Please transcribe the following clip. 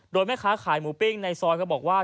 โดยแม่ค้าขายหมูปิ้งในซอยก็บอกว่า